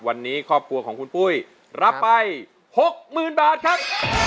วันนี้ครอบครัวของคุณปุ้ยรับไป๖๐๐๐บาทครับ